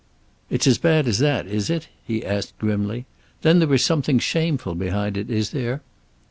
"It's as bad as that, is it?" he asked grimly. "Then there is something shameful behind it, is there?"